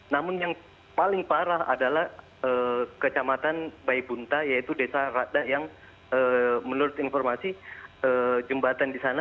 namun yang paling parah adalah kecamatan baibunta yaitu desa rada yang menurut informasi jembatan di sana